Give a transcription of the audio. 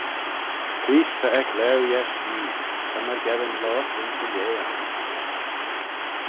Creest ta ec laue yesh Yee, ta myrgeddin loayrt ayns y lieh ain.